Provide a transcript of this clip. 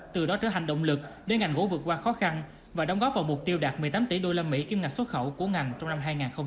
từ đó trở thành động lực để ngành gỗ vượt qua khó khăn và đóng góp vào mục tiêu đạt một mươi tám tỷ usd kiêm ngạch xuất khẩu của ngành trong năm hai nghìn hai mươi bốn